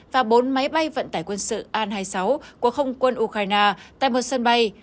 và bốn máy bay vận tải quân sự an hai mươi sáu của không quân ukraine tại một sân bay